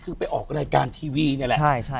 คือไปออกรายการทีวีนี่แหละ